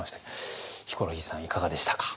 ヒコロヒーさんいかがでしたか？